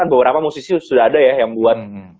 beberapa musisi sudah ada ya yang buat